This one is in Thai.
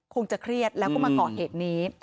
คงจะเครียดแล้วเข้ามาเกาะเหตุนี้